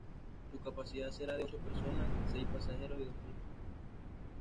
Su capacidad será de ocho personas: seis pasajeros y dos pilotos.